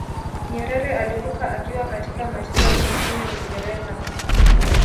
nyerere alikufa akiwa katika matibabu nchini uingereza